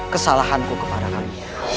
kesalahanku kepada kami